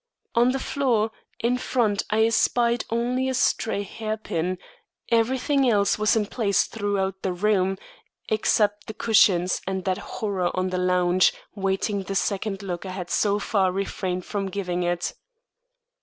On the floor in front I espied only a stray hair pin; everything else was in place throughout the room except the cushions and that horror on the lounge, waiting the second look I had so far refrained from giving it.